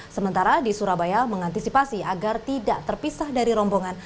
sementara di surabaya mengantisipasi agar tidak terpisah dari rombongan